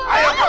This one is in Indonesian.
aku mau pak